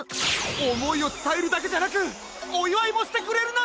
おもいをつたえるだけじゃなくおいわいもしてくれるなんて！